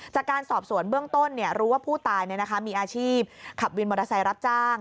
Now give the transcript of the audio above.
จากการสอบสวนเบื้องต้นรู้ว่าผู้ตายมีอาชีพขับวินมอเตอร์ไซค์รับจ้าง